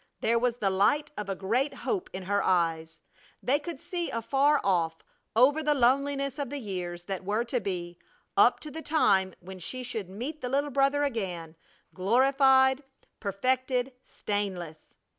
There was the light of a great hope in her eyes; they could see afar off over the loneliness of the years that were to be, up to the time when she should meet the little brother again, glorified, perfected, stainless!